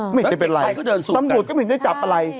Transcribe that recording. ไม่เป็นไรตำรวจก็ไม่เห็นได้จับอะไร